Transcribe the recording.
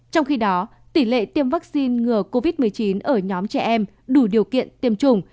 trong khi đó tỷ lệ tiêm vaccine ngừa covid một mươi chín ở nhóm trẻ em đủ điều kiện tiêm chủng